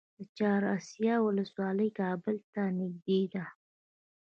د چهار اسیاب ولسوالۍ کابل ته نږدې ده